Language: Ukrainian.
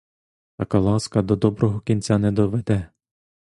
Така ласка до доброго кінця не доведе!